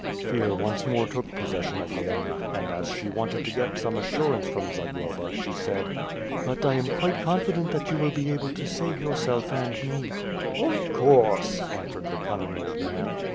Fear once more took possession of Helena and, as she wfinted to get some assurance from Zagloba, she sai4; WITH PI HE AND SWORt). ^^i "But I am quite confident that you will be able to save yourself and me/' "Of course," answered the cunning old man.